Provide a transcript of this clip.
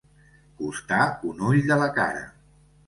Costar un ull de la cara.